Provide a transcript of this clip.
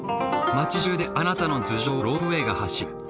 町じゅうであなたの頭上をロープウェイが走る。